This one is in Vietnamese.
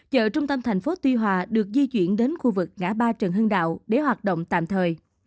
chợ trung tâm thành phố tuy hòa được di chuyển đến khu vực ngã ba trần hưng đạo để hoạt động tạm thời